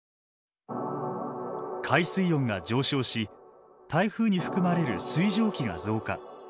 海水温が上昇し台風に含まれる水蒸気が増加。